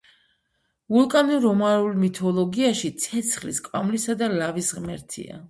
ვულკანი რომაულ მითოლოგიაში ცეცხლის, კვამლისა და ლავის ღმერთია.